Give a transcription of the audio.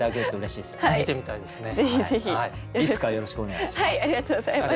いつかよろしくお願いします。